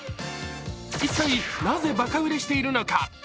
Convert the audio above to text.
一体なぜバカ売れしているのか。